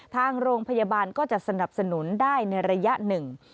ทางโรงพยาบาลก็จะสนับสนุนได้ในระยะหนึ่ง